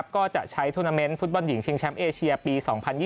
ก็จะใช้ทูนาเมนต์ฟุตบอลหญิงชิงแชมป์เอเชียปี๒๐๒๐